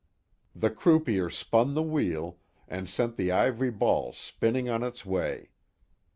The croupier spun the wheel, and sent the ivory ball spinning on its way.